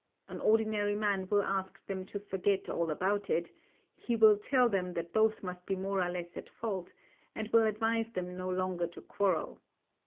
An ordinary man will ask them to forget all about it, he will tell them that both must be more or less at fault, and will advise them no longer to quarrel.